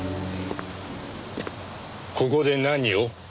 ここで何を？